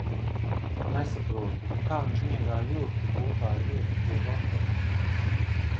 Nesaprotu, kā viņš miegā jūt, ka gultā ir vieta, kur rotēt.